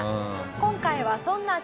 今回はそんなさあ